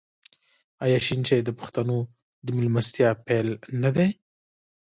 آیا شین چای د پښتنو د میلمستیا پیل نه دی؟